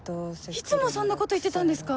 いつもそんなこと言ってたんですか？